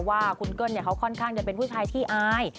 ว่าคุณเกิ้ลเขาค่อนข้างจะเป็นผู้ชายขี้อาย